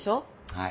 はい。